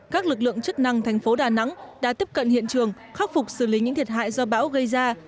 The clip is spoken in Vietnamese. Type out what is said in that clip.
các lực lượng chức năng thành phố đà nẵng đã tiếp cận hiện trường khắc phục xử lý những thiệt hại do bão gây ra